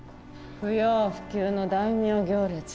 不要不急の大名行列